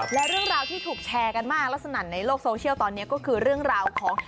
และเรื่องราวที่ถูกแชร์กันมากและสนั่นในโลกโซเชียลตอนนี้ก็คือเรื่องราวของ